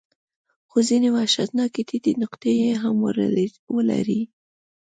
خو ځینې وحشتناکې ټیټې نقطې یې هم ولرلې.